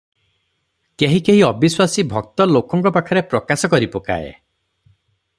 କେହି କେହି ଅବିଶ୍ୱାସୀ ଭକ୍ତ ଲୋକଙ୍କ ପାଖରେ ପ୍ରକାଶ କରି ପକାଏ ।